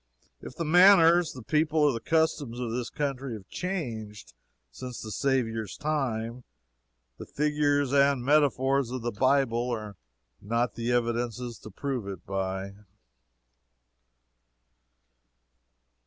If the manners, the people or the customs of this country have changed since the Saviour's time, the figures and metaphors of the Bible are not the evidences to prove it by.